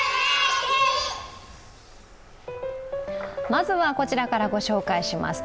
まずは、こちらから御紹介します